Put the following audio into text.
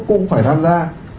cũng phải tham gia